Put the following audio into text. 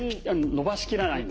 伸ばしきらない？